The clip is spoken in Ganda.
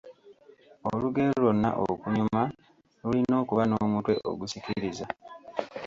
Olugero lwonna okunyuma lulina okuba n'omutwe ogusikiriza.